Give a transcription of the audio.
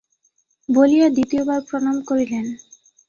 বলিয়া দ্বিতীয়বার প্রণাম করিলেন।